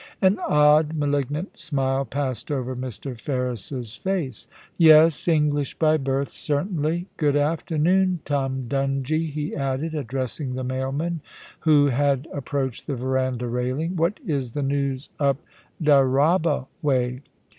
An odd, malignant smile passed over Mr. Ferris's face. * Yes, English by birth, certainly. Good afternoon, Tom Dungie,' he added, addressing the mailman, who had ap proached the verandah railing. *What is the news up Dyraaba way